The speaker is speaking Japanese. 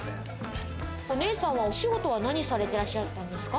お姉さんはお仕事は何されてらっしゃるんですか？